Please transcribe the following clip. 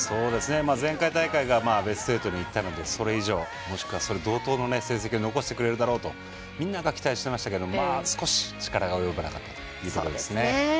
前回大会がベスト８にいったのでそれ以上、もしくはそれ同等の成績を残してくれるだろうとみんなが期待してましたけど少し力が及ばなかったというところですね。